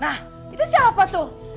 nah itu siapa tuh